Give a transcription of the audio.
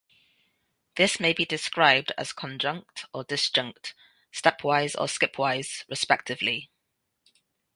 This may be described as conjunct or disjunct, stepwise or skipwise, respectively.